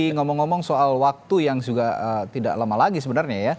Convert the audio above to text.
ngomong ngomong soal waktu yang tidak lama lagi sebenarnya